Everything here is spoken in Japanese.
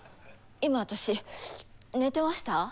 今私寝てました？